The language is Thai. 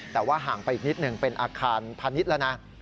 แต่ว่าห่างไปอีกนิดหนึ่งเป็นอาคารพาณิชย์แล้วนะ